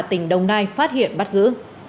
tỉnh đông nai phát hiện bắt giữ